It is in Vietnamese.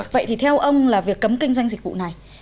vậy thì theo ông là việc cấm kinh doanh dịch vụ này